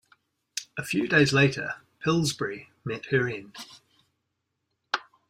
A few days later "Pillsbury" met her end.